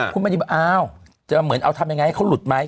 คุณมณีบอกอ้าวจะเหมือนเอาทำยังไงให้เขาหลุดไหม